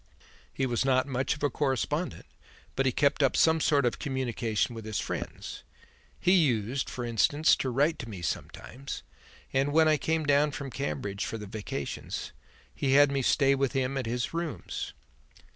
He was not much of a correspondent but he kept up some sort of communication with his friends. He used, for instance, to write to me sometimes, and, when I came down from Cambridge for the vacations, he had me to stay with him at his rooms."